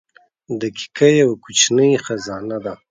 • دقیقه یوه کوچنۍ خزانه ده.